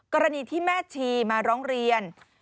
กรณีที่แม่ชีมาร้องเรียน